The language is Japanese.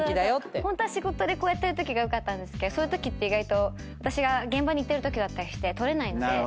ホントは仕事でこうやってるときがよかったけどそういうときって私が現場に行ってるときだったりして撮れないので。